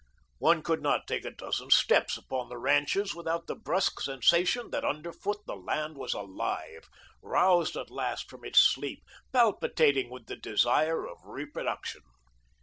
One could not take a dozen steps upon the ranches without the brusque sensation that underfoot the land was alive; roused at last from its sleep, palpitating with the desire of reproduction.